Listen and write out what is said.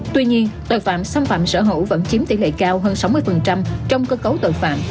tuy nhiên tội phạm xâm phạm sở hữu vẫn chiếm tỷ lệ cao hơn sáu mươi trong cơ cấu tội phạm